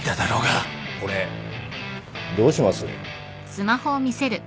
これどうします？